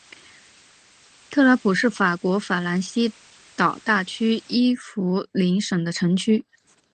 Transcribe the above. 特拉普是法国法兰西岛大区伊夫林省的城市。